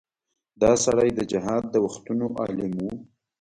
دا سړی د جهاد د وختونو عالم و.